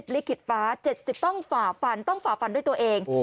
ลิขิตฟ้า๗๐ต้องฝ่าฟันต้องฝ่าฟันด้วยตัวเอง